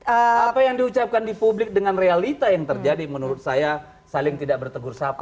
apa yang diucapkan di publik dengan realita yang terjadi menurut saya saling tidak bertegur sapa